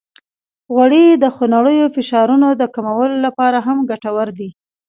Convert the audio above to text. غوړې د خونړیو فشارونو د کمولو لپاره هم ګټورې دي.